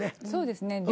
そうですね。